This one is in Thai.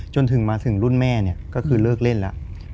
จนถึงมาถึงรุ่นแม่เนี่ยก็คือเลิกเล่นแล้ว